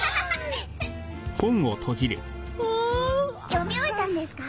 読み終えたんですか？